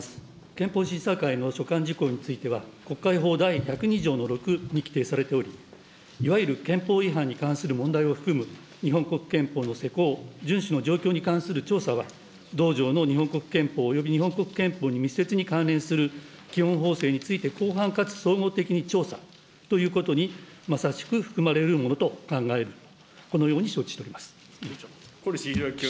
憲法審査会の所管事項については、国会法第１０２条の６に規定されており、いわゆる憲法違反に関する問題を含む、日本国憲法の施行、順守の状況に関する調査が同条の日本国憲法、および日本国憲法に密接に関連する基本法制について広範かつ総合的に調査ということにまさしく含まれるものと考える、このように小西洋之君。